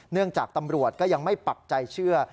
เนื่องจากตำรวจก็ยังไม่ปักใจเชื่อ